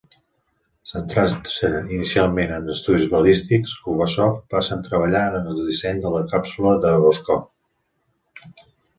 Centrant-se inicialment en estudis balístics, Kubasov va treballar en el disseny de la càpsula de Voskhod.